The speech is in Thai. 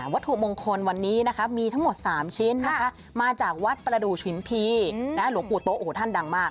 วัตถุบงคลวันนี้มีทั้งหมด๓ชิ้นมาจากวัดประดูชวินภีร์หลวงปูโต๊ะท่านดังมาก